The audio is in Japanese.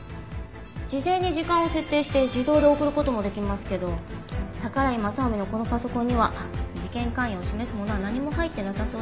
事前に時間を設定して自動で送る事もできますけど宝居雅臣のこのパソコンには事件関与を示すものは何も入ってなさそうです。